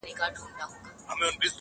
دوه ظاهري حواس دي